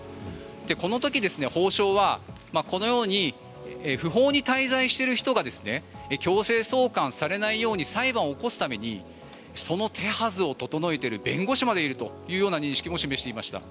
この時法相は、このように不法に滞在している人が強制送還されないように裁判を起こすためにその手はずを整えている弁護士までいるという認識も示していました。